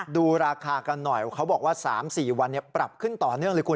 ดูราคากันหน่อยเขาบอกว่า๓๔วันปรับขึ้นต่อเนื่องเลยคุณ